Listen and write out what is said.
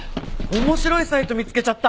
面白いサイト見つけちゃった。